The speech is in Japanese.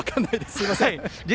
すみません。